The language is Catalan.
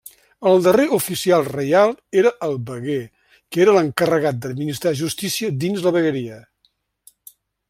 El darrer oficial reial era el veguer, que era l’encarregat d’administrar justícia dins la vegueria.